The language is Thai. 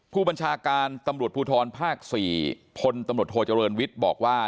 ผู้บัญชาการตำรวจภูทรภาค๔พลตำรวจโทเจริญวิทย์บอกว่า